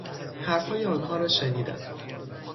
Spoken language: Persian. حرفهای آنها را شنیدم.